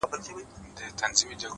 مړ يې کړم اوبه له ياده وباسم،